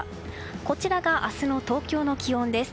こちらが明日の東京の気温です。